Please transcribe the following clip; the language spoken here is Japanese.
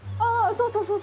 そうそうそう。